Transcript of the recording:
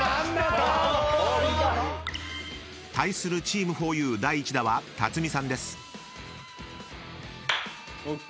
［対するチームふぉゆ第１打は辰巳さんです］ＯＫ！